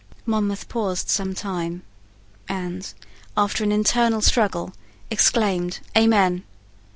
Monmouth paused some time, and, after an internal struggle, exclaimed "Amen."